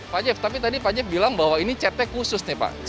pak jeff tapi tadi pak jeff bilang bahwa ini chatnya khusus nih pak